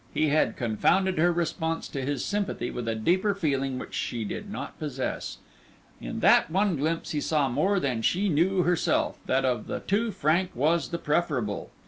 He had confounded her response to his sympathy with a deeper feeling which she did not possess. In that one glimpse he saw more than she knew herself, that of the two Frank was the preferable.